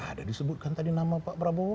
ada disebutkan tadi nama pak prabowo